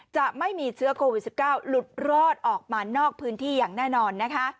จะไม่มีเชื้อโควิด๑๙หลุดรอดออกมานอกพื้นที่อย่างแน่นอนนะคะ